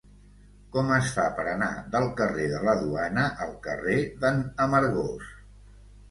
Com es fa per anar del carrer de la Duana al carrer de n'Amargós?